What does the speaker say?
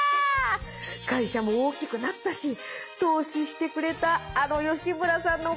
会社も大きくなったし投資してくれたあの吉村さんのおかげだ。